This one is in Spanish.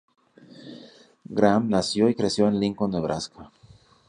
Graham nació y creció en Lincoln, Nebraska.